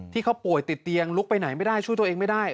ที่เขาป่วยติดเตียงลุกไปไหนไม่ได้ช่วยตัวเองไม่ได้